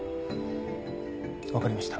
わかりました。